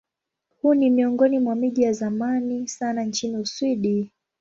Huu ni miongoni mwa miji ya zamani sana nchini Uswidi.